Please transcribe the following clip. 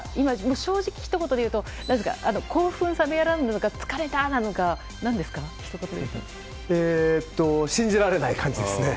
正直ひと言で言うと興奮冷めやらぬなのか疲れたなのか信じられない感じですね。